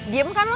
diam kan lo